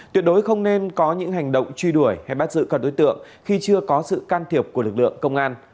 tuyệt đối không nên có những hành động truy đuổi hay bắt giữ các đối tượng khi chưa có sự can thiệp của lực lượng công an